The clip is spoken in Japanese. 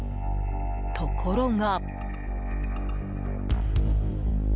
ところが。